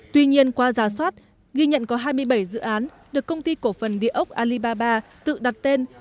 tuy nhiên qua giả soát ghi nhận có hai mươi bảy dự án được công ty cổ phần địa ốc alibaba tự đặt tên